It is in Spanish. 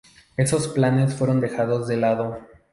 Esos planes fueron dejados de lado.